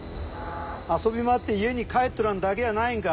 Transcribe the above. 遊び回って家に帰っとらんだけやないんか？